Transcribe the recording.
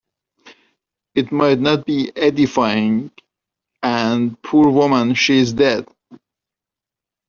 It might not be edifying and, poor woman, she is dead.